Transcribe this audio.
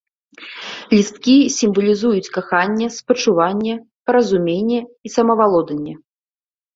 Лісткі сімвалізуюць каханне, спачуванне, паразуменне і самавалоданне.